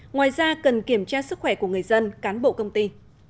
ngoài ra cần kiểm tra sức khỏe của người dân cán bộ công ty